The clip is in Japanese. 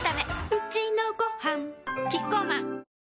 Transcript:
うちのごはんキッコーマン